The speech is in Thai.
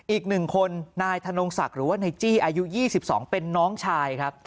อีก๑คนนายธนงศักดิ์หรือว่านายจี้อายุ๒๒เป็นน้องชายครับ